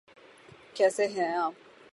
کیسے ہیں آپ؟